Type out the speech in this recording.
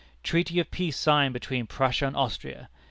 'Treaty of peace signed between Prussia and Austria!'